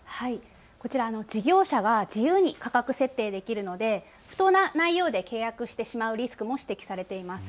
こちら、事業者は自由に価格設定できるので不当な内容で契約してしまうリスクも指摘されています。